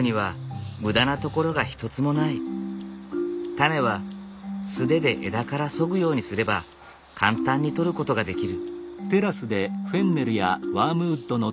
タネは素手で枝からそぐようにすれば簡単に取ることができる。